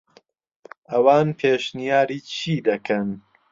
ئەوان پێشنیاری چی دەکەن؟